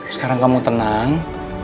sekarang kamu tenang